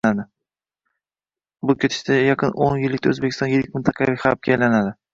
Bu ketishda yaqin oʻn yilda Oʻzbekiston yirik mintaqaviy xabga aylanadi.